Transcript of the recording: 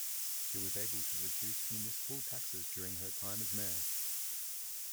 She was able to reduce municipal taxes during her time as mayor.